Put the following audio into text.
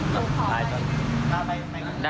ขอบคุณมากนิดนึง